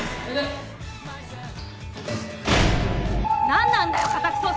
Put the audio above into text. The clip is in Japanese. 何なんだよ！